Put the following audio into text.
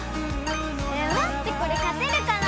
まってこれ勝てるかな？